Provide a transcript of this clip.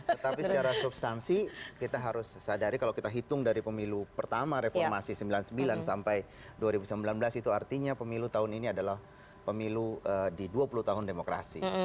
tetapi secara substansi kita harus sadari kalau kita hitung dari pemilu pertama reformasi sembilan puluh sembilan sampai dua ribu sembilan belas itu artinya pemilu tahun ini adalah pemilu di dua puluh tahun demokrasi